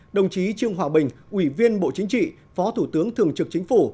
đồng chí trương hòa bình ủy viên bộ chính trị phó thủ tướng thường trực chính phủ